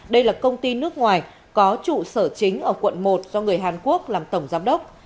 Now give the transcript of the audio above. đây là công ty nước ngoài có trụ sở chính ở quận một do người hàn quốc làm tổng giám đốc